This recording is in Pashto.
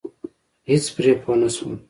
هېڅ پرې پوه نشوم.